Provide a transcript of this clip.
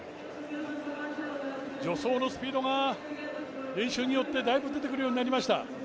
助走のスピードが練習によってだいぶ出てくるようになりました。